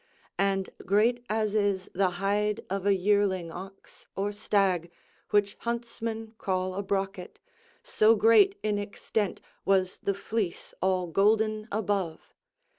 And great as is the hide of a yearling ox or stag, which huntsmen call a brocket, so great in extent was the fleece all golden above.